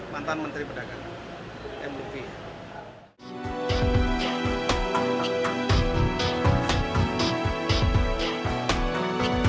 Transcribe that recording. mantan menteri pedagang